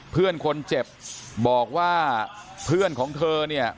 เพื่อนคนเจ็บบอกว่าเพื่อนของเธอเนี่ย